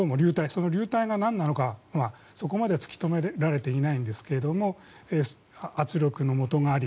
その流体が何なのかはそこまで突き止められていないんですけども圧力のもとがあり、